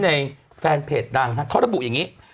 ในแฟนเพจดังเขาระบุอย่างนี้